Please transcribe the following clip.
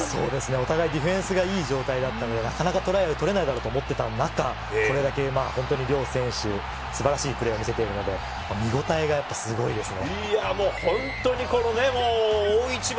お互いディフェンスがいい状態だったので、なかなかトライは取れないと思っていた中、両選手、素晴らしいプレーを見せているので見応えがすごいですね。